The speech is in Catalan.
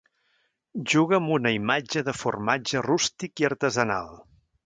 Juga amb una imatge de formatge rústic i artesanal.